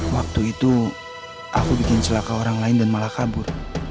waktu itu aku bikin celaka orang lain dan malah kabur